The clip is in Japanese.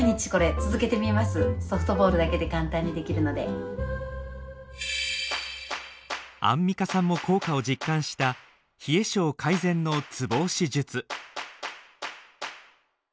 何かアンミカさんも効果を実感した冷え症改善のツボ押し術。